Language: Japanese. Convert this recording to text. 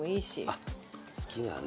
あっ好きなね。